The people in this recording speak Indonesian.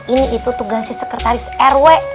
ini itu tugasnya sekretaris rw